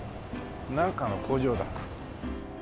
なんかの工場だ。